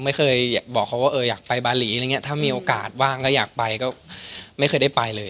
ไม่เคยบอกเขาว่าเอออยากไปบาหลีอะไรอย่างนี้ถ้ามีโอกาสว่างก็อยากไปก็ไม่เคยได้ไปเลย